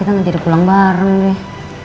kita nggak jadi pulang bareng deh